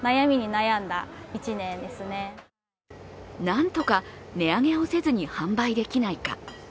なんとか値上げをせずに販売できないか。